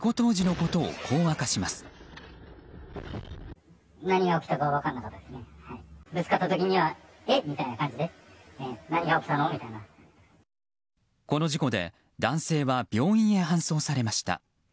この事故で男性は病院へ搬送されました。